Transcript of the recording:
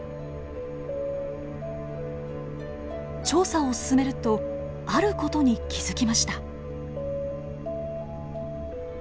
調査を進めるとある事に気付きました。